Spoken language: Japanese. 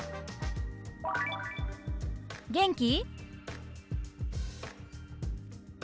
「元気？」。